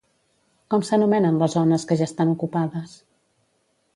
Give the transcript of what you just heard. Com s'anomenen les zones que ja estan ocupades?